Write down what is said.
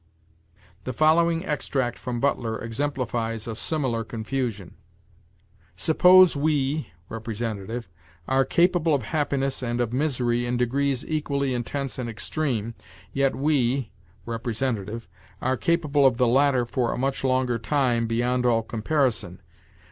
"The following extract from Butler exemplifies a similar confusion: 'Suppose we [representative] are capable of happiness and of misery in degrees equally intense and extreme, yet we [rep.] are capable of the latter for a much longer time, beyond all comparison.